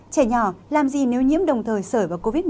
trẻ nhỏ làm gì nếu nhiễm đồng thời sởi vào covid một mươi